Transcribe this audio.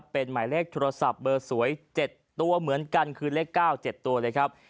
เป็นหมายเลขโทรศัพท์เบอร์สวย๗ตัวเหมือนกันคือเลข๙๗ตัวเลยครับ